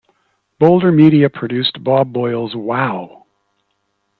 Bolder Media produced Bob Boyle's Wow!